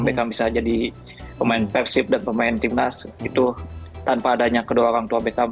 beckham bisa jadi pemain persib dan pemain timnas itu tanpa adanya kedua orang tua beckham